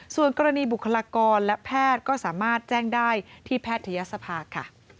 ส่วนกรณีบุคลากรและแพทย์ก็สามารถแจ้งได้ที่แพทยศภาค่ะ